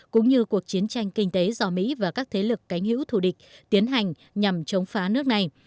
cũng như cuộc chiến tranh kinh tế do mỹ và các thế lực cánh hữu thủ địch tiến hành nhằm chống phá nước này